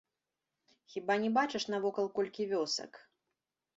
Хіба не бачыш, навокал колькі вёсак?